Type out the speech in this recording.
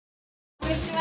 こんにちは。